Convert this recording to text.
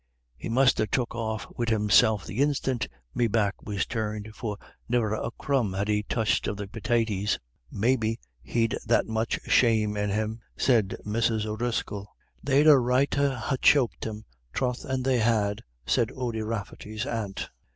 "He must ha' took off wid himself the instiant me back was turned, for ne'er a crumb had he touched of the pitaties." "Maybe he'd that much shame in him," said Mrs. O'Driscoll. "They'd a right to ha' choked him, troth and they had," said Ody Rafferty's aunt.